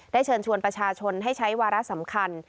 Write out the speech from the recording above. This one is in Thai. เชิญชวนประชาชนให้ใช้วาระสำคัญ